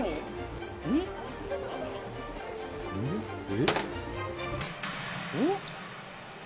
えっ？